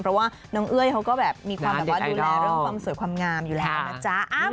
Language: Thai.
เพราะว่าน้องเอ้ยเขาก็แบบมีความแบบว่าดูแลเรื่องความสวยความงามอยู่แล้วนะจ๊ะ